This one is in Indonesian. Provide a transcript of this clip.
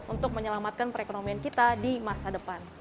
untuk menyelamatkan perekonomian kita di masa depan